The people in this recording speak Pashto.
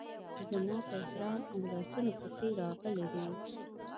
زما په احرام او لاسونو پسې راغلې وې.